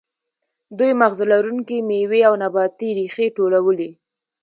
دوی مغز لرونکې میوې او نباتي ریښې ټولولې.